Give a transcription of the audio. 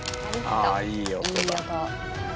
ああいい音。